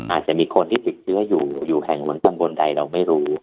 อาจจะมีคนที่ติดเชื้ออยู่แห่งวนทั้งบนใดเราไม่รู้